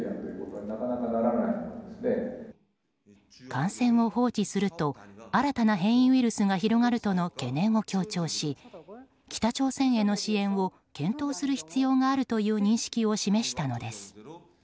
感染を放置すると新たな変異ウイルスが広がるとの懸念を強調し北朝鮮への支援を検討する必要があるという認識を示したのです。